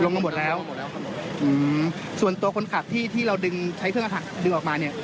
ลงมาหมดแล้วส่วนตัวคนขับที่ที่เราดึงใช้เครื่องอาหารดึงออกมาเนี่ย